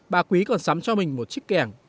bà quý còn sắm cho mình một chiếc kẻng